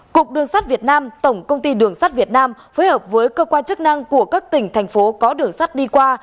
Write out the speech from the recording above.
cục đường sắt việt nam tổng công ty đường sắt việt nam phối hợp với cơ quan chức năng của các tỉnh thành phố có đường sắt đi qua